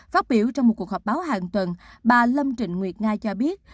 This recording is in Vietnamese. phát biểu trong một cuộc họp báo hàng tuần bà lâm trịnh nguyệt nga cho biết